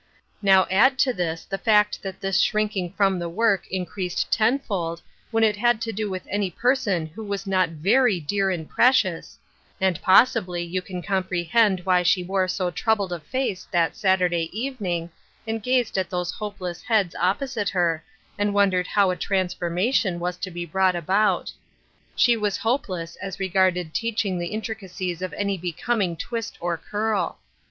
Now add to this the fact that this shrinking from the work increased ten fold when it had to do with any person who was not very dear and precious, and possibly you can comprehend why she wore so troubled a face that Saturday evening, and gazed at those hope less heads opposite her, and wondered how a transformation was to be brought about. She was hopeless as regarded teaching the intricacies of any becoming twist or curl.